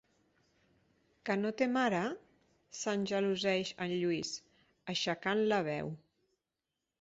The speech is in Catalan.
Que no té mare? –s'engeloseix el Lluís, aixecant la veu–.